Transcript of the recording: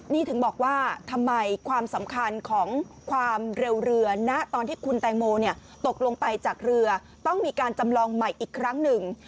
นี่ถึงบอกว่าทำไมความสำคัญของความเร็วเรือณตอนที่คุณแตงโมตกลงไปจากเรือต้องมีการจำลองใหม่อีกครั้งหนึ่ง